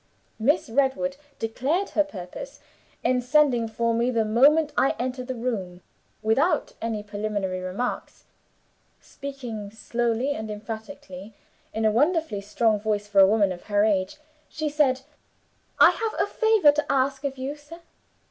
Miss Redwood declared her purpose in sending for me the moment I entered the room. Without any preliminary remarks speaking slowly and emphatically, in a wonderfully strong voice for a woman of her age she said, 'I have a favor to ask of you, sir.